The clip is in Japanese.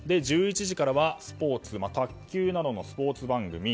１１時からは卓球などのスポーツ番組。